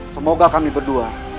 semoga kami berdua